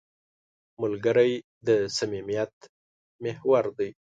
ملګری د صمیمیت محور دی